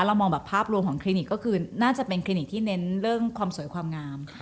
เรามองแบบภาพรวมของคลินิกก็คือน่าจะเป็นคลินิกที่เน้นเรื่องความสวยความงาม